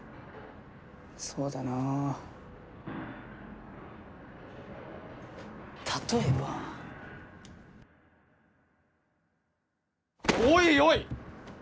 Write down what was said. そうだな例えばおいおい！